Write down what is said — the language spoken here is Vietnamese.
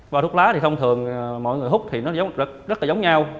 và thuốc lá thì thông thường mọi người hút thì nó rất là giống nhau